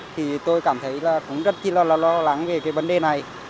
thì tôi cảm thấy là cũng rất là lo lắng về cái vấn đề này